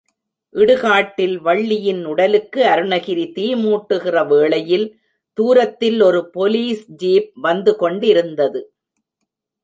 இடுகாட்டில் வள்ளியின் உடலுக்கு அருணகிரி தீ மூட்டுகிற வேளையில் தூரத்தில் ஒரு போலீஸ் ஜீப் வந்து கொண்டிருந்தது.